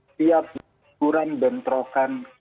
setiap ukuran bentrokan